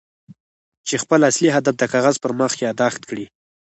چې خپل اصلي هدف د کاغذ پر مخ ياداښت کړئ.